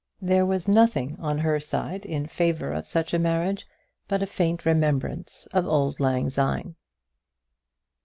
There was nothing on her side in favour of such a marriage but a faint remembrance of auld lang syne.